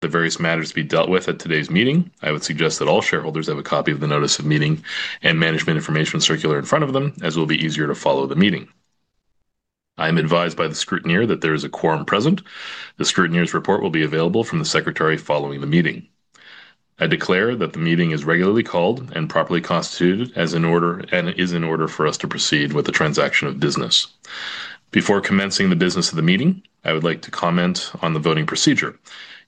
The various matters to be dealt with at today's meeting. I would suggest that all shareholders have a copy of the notice of meeting and management information circular in front of them, as it will be easier to follow the meeting. I am advised by the scrutineer that there is a quorum present. The scrutineer's report will be available from the secretary following the meeting. I declare that the meeting is regularly called and properly constituted as an order, and it is in order for us to proceed with the transaction of business. Before commencing the business of the meeting, I would like to comment on the voting procedure.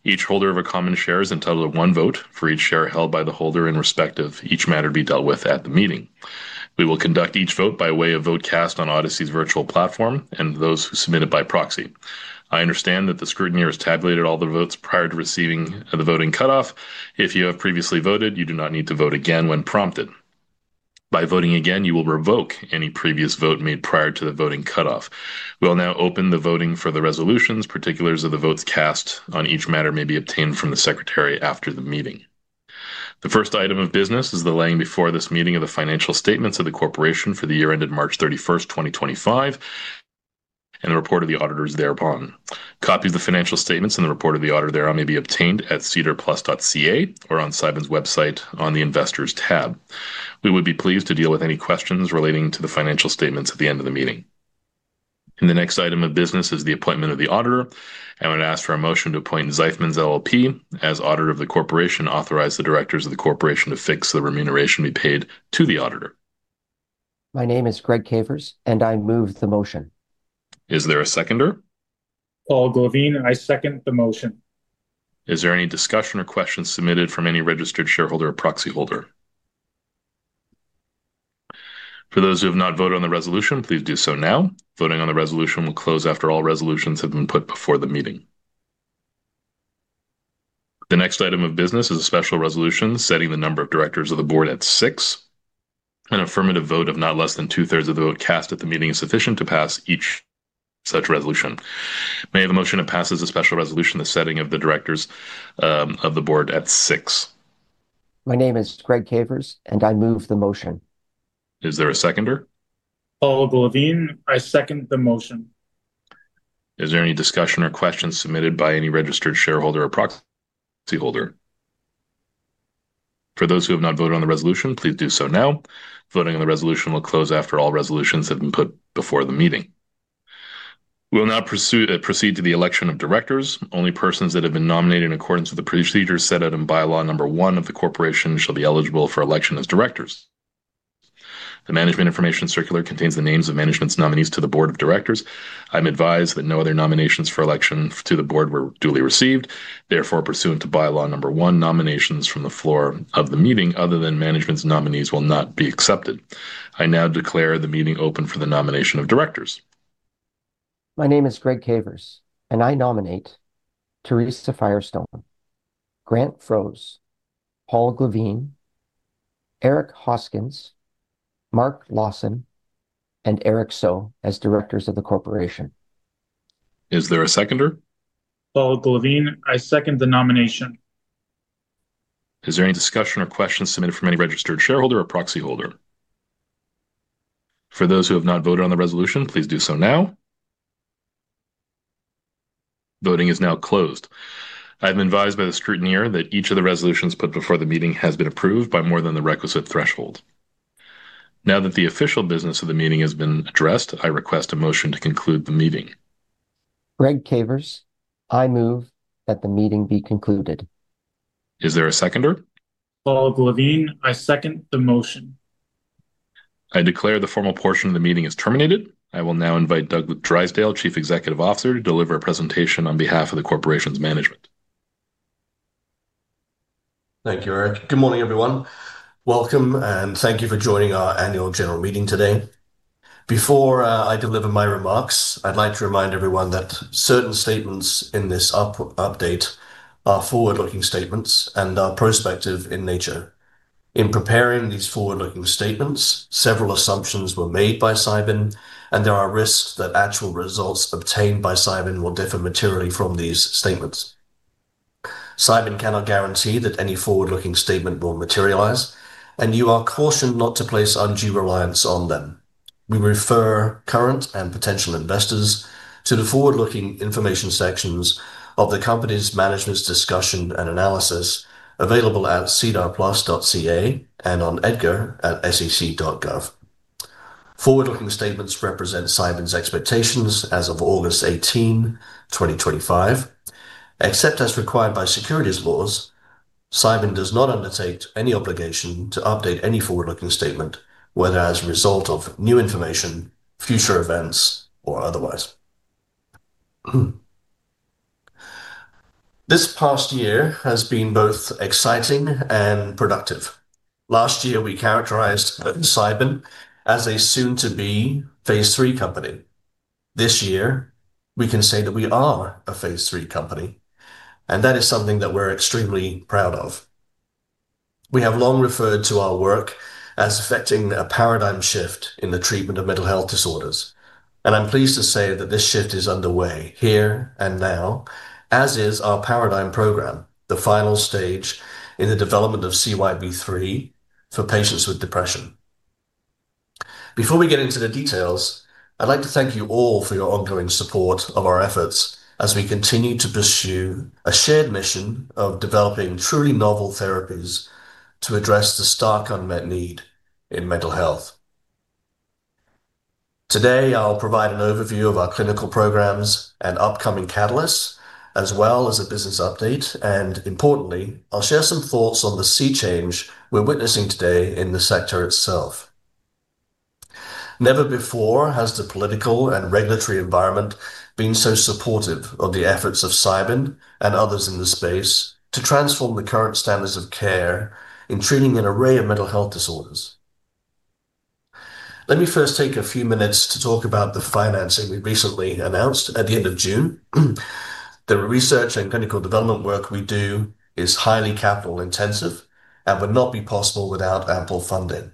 Each holder of a common share is entitled to one vote for each share held by the holder in respect of each matter to be dealt with at the meeting. We will conduct each vote by way of vote cast on Odyssey's virtual platform and those submitted by proxy. I understand that the scrutineer has tabulated all the votes prior to receiving the voting cutoff. If you have previously voted, you do not need to vote again when prompted. By voting again, you will revoke any previous vote made prior to the voting cutoff. We'll now open the voting for the resolutions. Particulars of the votes cast on each matter may be obtained from the secretary after the meeting. The first item of business is the laying before this meeting of the financial statements of the corporation for the year ended March 31st, 2025, and the report of the auditors thereupon. Copies of the financial statements and the report of the auditor thereon may be obtained at cedarplus.ca or on Cybin's website on the investors tab. We would be pleased to deal with any questions relating to the financial statements at the end of the meeting. The next item of business is the appointment of the auditor. I would ask for a motion to appoint Zeifmans LLP as auditor of the corporation and authorize the directors of the corporation to fix the remuneration to be paid to the auditor. My name is Greg Cavers, and I move the motion. Is there a seconder? Paul Glavine, I second the motion. Is there any discussion or questions submitted from any registered shareholder or proxy holder? For those who have not voted on the resolution, please do so now. Voting on the resolution will close after all resolutions have been put before the meeting. The next item of business is a special resolution setting the number of directors of the board at six. An affirmative vote of not less than two-thirds of the vote cast at the meeting is sufficient to pass each such resolution. May I have a motion that passes a special resolution in the setting of the directors of the board at six? My name is Greg Cavers, and I move the motion. Is there a seconder? Paul Glavine, I second the motion. Is there any discussion or questions submitted by any registered shareholder or proxy holder? For those who have not voted on the resolution, please do so now. Voting on the resolution will close after all resolutions have been put before the meeting. We'll now proceed to the election of directors. Only persons that have been nominated in accordance with the procedure set out in By-Law No. 1 of the corporation shall be eligible for election as directors. The management information circular contains the names of management's nominees to the board of directors. I'm advised that no other nominations for election to the board were duly received. Therefore, pursuant to By-Law No. 1, nominations from the floor of the meeting other than management's nominees will not be accepted. I now declare the meeting open for the nomination of directors. My name is Greg Cavers, and I nominate Theresa Firestone, Grant Froese, Paul Glavine, Eric Hoskins, Mark Lawson, and Eric So as directors of the corporation. Is there a seconder? Paul Glavine, I second the nomination. Is there any discussion or questions submitted from any registered shareholder or proxy holder? For those who have not voted on the resolution, please do so now. Voting is now closed. I'm advised by the scrutineer that each of the resolutions put before the meeting has been approved by more than the requisite threshold. Now that the official business of the meeting has been addressed, I request a motion to conclude the meeting. Greg Cavers, I move that the meeting be concluded. Is there a seconder? Paul Glavine, I second the motion. I declare the formal portion of the meeting is terminated. I will now invite Doug Drysdale, Chief Executive Officer, to deliver a presentation on behalf of the corporation's management. Thank you, Eric. Good morning, everyone. Welcome, and thank you for joining our Annual General Meeting today. Before I deliver my remarks, I'd like to remind everyone that certain statements in this update are forward-looking statements and are prospective in nature. In preparing these forward-looking statements, several assumptions were made by Cybin, and there are risks that actual results obtained by Cybin will differ materially from these statements. Cybin cannot guarantee that any forward-looking statement will materialize, and you are cautioned not to place undue reliance on them. We refer current and potential investors to the forward-looking information sections of the company's management's discussion and analysis available at cedarplus.ca and on edgar@sec.gov. Forward-looking statements represent Cybin's expectations as of August 18, 2025. Except as required by securities laws, Cybin does not undertake any obligation to update any forward-looking statement, whether as a result of new information, future events, or otherwise. This past year has been both exciting and productive. Last year, we characterized Cybin as a soon-to-be Phase Three company. This year, we can say that we are a Phase Three company, and that is something that we're extremely proud of. We have long referred to our work as effecting a paradigm shift in the treatment of mental health disorders, and I'm pleased to say that this shift is underway here and now, as is our PARADIGM Program, the final stage in the development of CYB003 for patients with depression. Before we get into the details, I'd like to thank you all for your ongoing support of our efforts as we continue to pursue a shared mission of developing truly novel therapies to address the stark unmet need in mental health. Today, I'll provide an overview of our clinical programs and upcoming catalysts, as well as a business update, and importantly, I'll share some thoughts on the sea change we're witnessing today in the sector itself. Never before has the political and regulatory environment been so supportive of the efforts of Cybin and others in the space to transform the current standards of care in treating an array of mental health disorders. Let me first take a few minutes to talk about the financing we recently announced at the end of June. The research and clinical development work we do is highly capital-intensive and would not be possible without ample funding.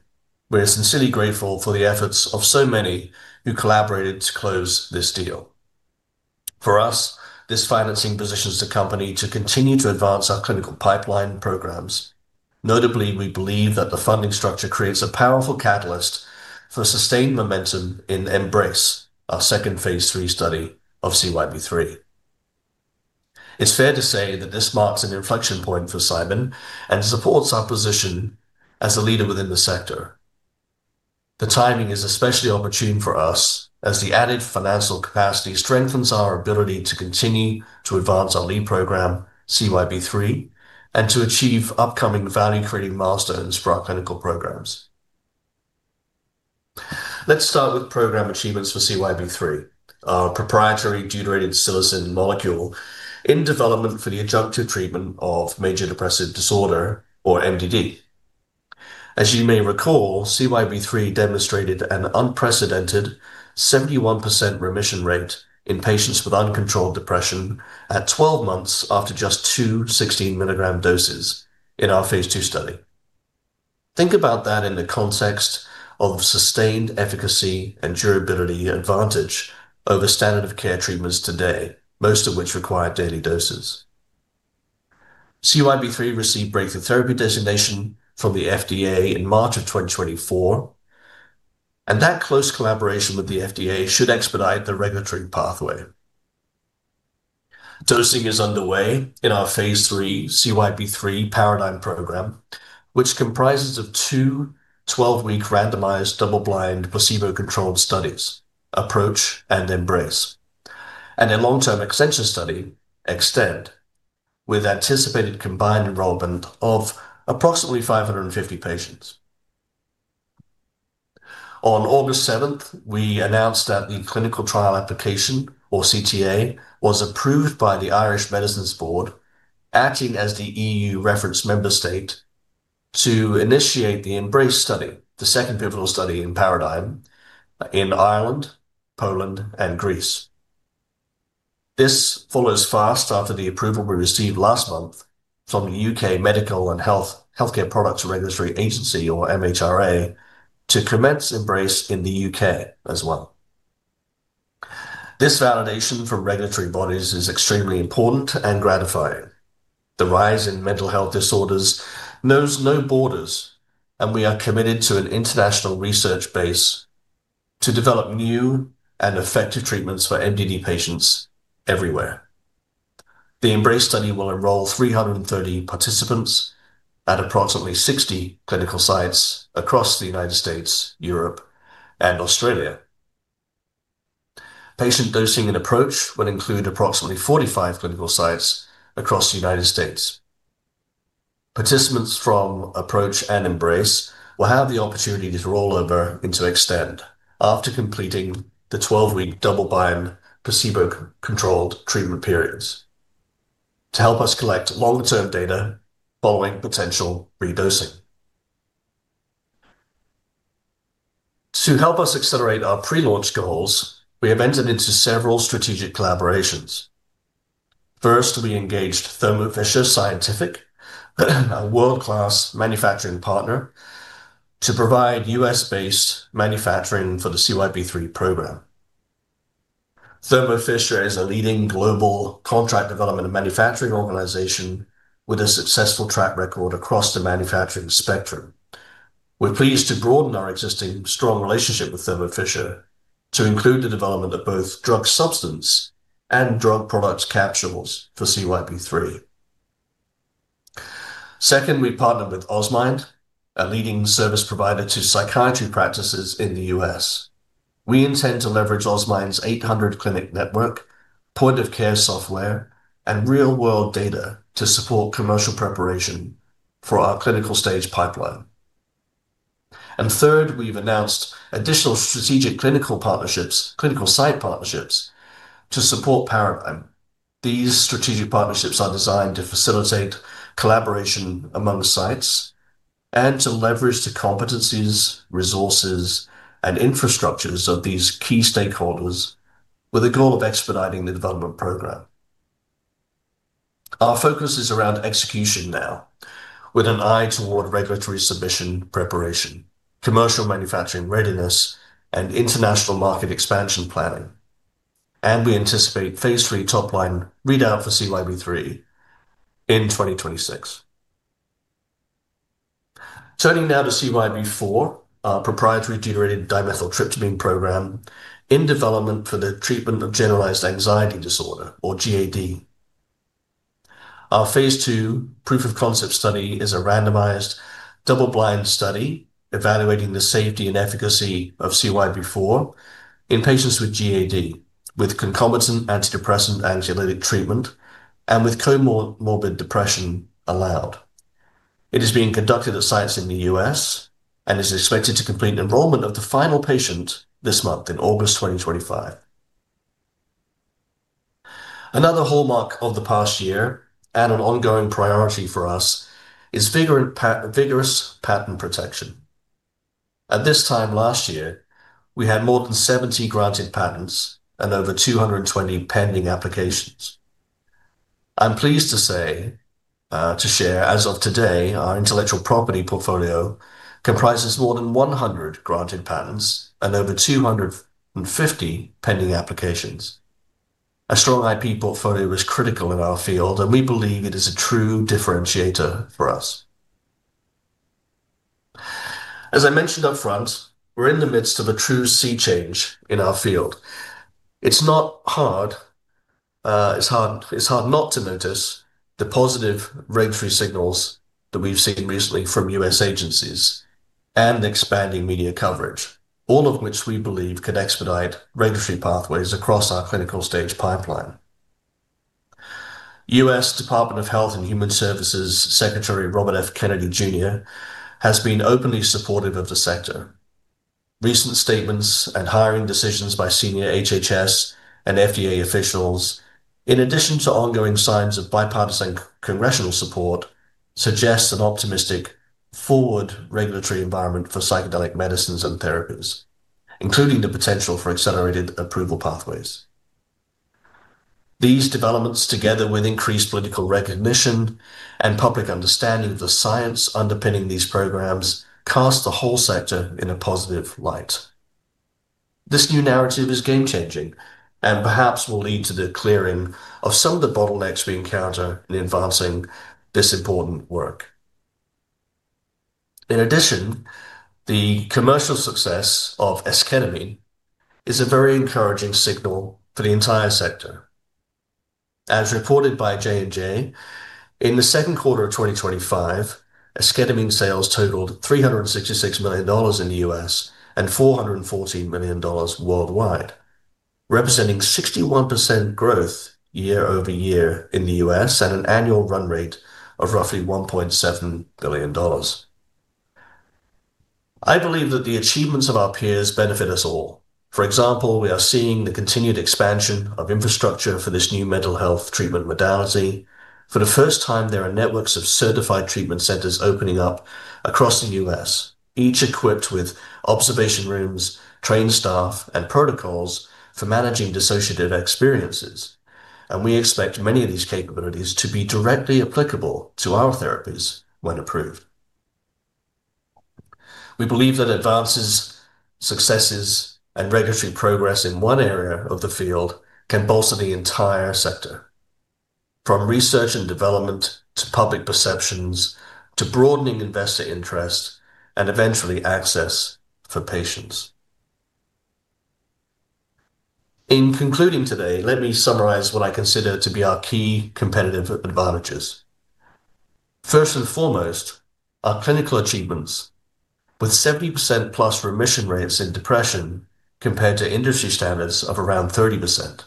We're sincerely grateful for the efforts of so many who collaborated to close this deal. For us, this financing positions the company to continue to advance our clinical pipeline programs. Notably, we believe that the funding structure creates a powerful catalyst for sustained momentum in the EMBRACE, the II phase three study of CYB003. It's fair to say that this marks an inflection point for Cybin and supports our position as a leader within the sector. The timing is especially opportune for us as the added financial capacity strengthens our ability to continue to advance our lead program, CYB003, and to achieve upcoming value-creating milestones for our clinical programs. Let's start with program achievements for CYB003, our proprietary deuterated psilocin molecule in development for the adjunctive treatment of Major Depressive Disorder, or MDD. As you may recall, CYB003 demonstrated an unprecedented 71% remission rate in patients with uncontrolled depression at 12 months after just two 16 mg doses in our Phase Two study. Think about that in the context of sustained efficacy and durability advantage over standard of care treatments today, most of which require daily doses. CYB003 received breakthrough therapy designation from the FDA in March of 2024, and that close collaboration with the FDA should expedite the regulatory pathway. Dosing is underway in our Phase Three CYB003 PARADIGM Program, which comprises two 12-week randomized double-blind placebo-controlled studies, APPROACH and EMBRACE, and a long-term extension study, EXTEND, with anticipated combined enrollment of approximately 550 patients. On August 7th, we announced that the clinical trial application, or CTA, was approved by the Irish Medicines Board, acting as the EU reference member state, to initiate the EMBRACE study, the second pivotal study in PARADIGM, in Ireland, Poland, and Greece. This follows fast after the approval we received last month from the UK Medical and Healthcare Products Regulatory Agency, or MHRA, to commence EMBRACE in the UK as well. This validation from regulatory bodies is extremely important and gratifying. The rise in mental health disorders knows no borders, and we are committed to an international research base to develop new and effective treatments for MDD patients everywhere. The EMBRACE study will enroll 330 participants at approximately 60 clinical sites across the United States, Europe, and Australia. Patient dosing in APPROACH will include approximately 45 clinical sites across the U.S. Participants from APPROACH and EMBRACE will have the opportunity to roll over into EXTEND after completing the 12-week double-blind placebo-controlled treatment periods to help us collect long-term data following potential re-dosing. To help us accelerate our pre-launch goals, we have entered into several strategic collaborations. First, we engaged Thermo Fisher Scientific, a world-class manufacturing partner, to provide U.S.-based manufacturing for the CYB003 program. Thermo Fisher is a leading global contract development and manufacturing organization with a successful track record across the manufacturing spectrum. We're pleased to broaden our existing strong relationship with Thermo Fisher to include the development of both drug substance and drug product capsules for CYB003. Second, we partnered with Osmind, a leading service provider to psychiatry practices in the U.S. We intend to leverage Osmind's 800 clinic network, point-of-care software, and real-world data to support commercial preparation for our clinical pipeline. Third, we've announced additional strategic clinical partnerships, clinical site partnerships to support PARADIGM. These strategic partnerships are designed to facilitate collaboration among sites and to leverage the competencies, resources, and infrastructures of these key stakeholders with the goal of expediting the development program. Our focus is around execution now, with an eye toward regulatory submission preparation, commercial manufacturing readiness, and international market expansion planning. We anticipate Phase Three top-line readout for CYB003 in 2026. Turning now to CYB004, our proprietary deuterated dimethyltryptamine program in development for the treatment of Generalized Anxiety Disorder, or GAD. Our Phase Two proof of concept study is a randomized double-blind study evaluating the safety and efficacy of CYB004 in patients with GAD, with concomitant antidepressant and anxiolytic treatment, and with comorbid depression allowed. It is being conducted at sites in the U.S. and is expected to complete enrollment of the final patient this month in August 2025. Another hallmark of the past year and an ongoing priority for us is vigorous patent protection. At this time last year, we had more than 70 granted patents and over 220 pending applications. I'm pleased to say, to share, as of today, our intellectual property portfolio comprises more than 100 granted patents and over 250 pending applications. A strong IP portfolio is critical in our field, and we believe it is a true differentiator for us. As I mentioned up front, we're in the midst of a true sea change in our field. It's hard not to notice the positive regulatory signals that we've seen recently from U.S. agencies and expanding media coverage, all of which we believe can expedite regulatory pathways across our clinical stage pipeline. U.S. Department of Health and Human Services Secretary Robert F. Kennedy Jr. has been openly supportive of the sector. Recent statements and hiring decisions by senior HHS and FDA officials, in addition to ongoing signs of bipartisan congressional support, suggest an optimistic forward regulatory environment for psychedelic medicines and therapies, including the potential for accelerated approval pathways. These developments, together with increased political recognition and public understanding of the science underpinning these programs, cast the whole sector in a positive light. This new narrative is game-changing and perhaps will lead to the clearing of some of the bottlenecks we encounter in advancing this important work. In addition, the commercial success of esketamine is a very encouraging signal for the entire sector. As reported by J&J, in the second quarter of 2025, esketamine sales totaled $366 million in the U.S. and $414 million worldwide, representing 61% growth year-over-year in the U.S. and an annual run rate of roughly $1.7 billion. I believe that the achievements of our peers benefit us all. For example, we are seeing the continued expansion of infrastructure for this new mental health treatment modality. For the first time, there are networks of certified treatment centers opening up across the U.S., each equipped with observation rooms, trained staff, and protocols for managing dissociative experiences. We expect many of these capabilities to be directly applicable to our therapies when approved. We believe that advances, successes, and regulatory progress in one area of the field can bolster the entire sector, from research and development to public perceptions to broadening investor interest and eventually access for patients. In concluding today, let me summarize what I consider to be our key competitive advantages. First and foremost, our clinical achievements with 70%+ remission rates in depression compared to industry standards of around 30%.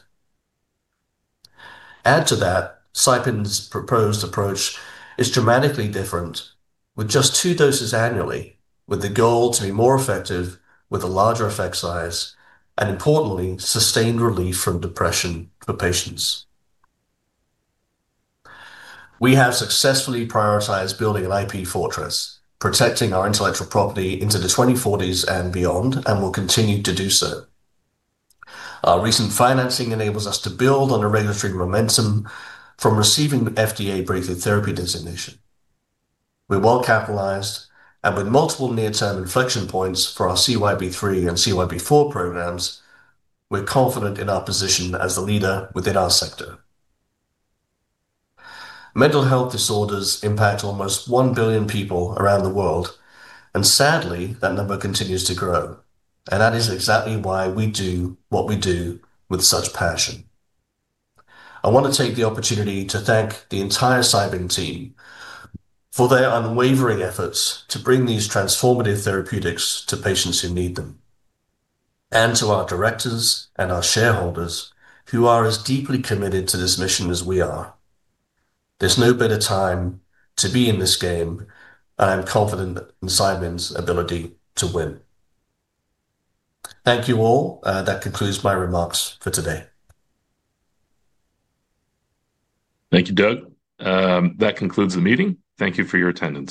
Add to that, Cybin's proposed approach is dramatically different with just two doses annually, with the goal to be more effective with a larger effect size and, importantly, sustained relief from depression for patients. We have successfully prioritized building an IP fortress, protecting our intellectual property into the 2040s and beyond, and will continue to do so. Our recent financing enables us to build on a regulatory momentum from receiving FDA breakthrough therapy designation. We're well capitalized, and with multiple near-term inflection points for our CYB003 and CYB004 programs, we're confident in our position as a leader within our sector. Mental health disorders impact almost 1 billion people around the world, and sadly, that number continues to grow. That is exactly why we do what we do with such passion. I want to take the opportunity to thank the entire Cybin team for their unwavering efforts to bring these transformative therapeutics to patients who need them, and to our directors and our shareholders who are as deeply committed to this mission as we are. There's no better time to be in this game, and I'm confident in Cybin's ability to win. Thank you all. That concludes my remarks for today. Thank you, Doug. That concludes the meeting. Thank you for your attendance.